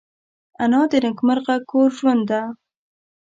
انا د نیکمرغه کور ژوند ده